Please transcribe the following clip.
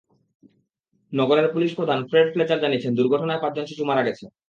নগরের পুলিশপ্রধান Fred Fletcher জানিয়েছেন, দুর্ঘটনায় পাঁচজন শিশু মারা গেছে।